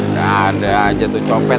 nggak ada aja tuh copet